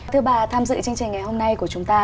thưa bà tham dự chương trình ngày hôm nay của chúng ta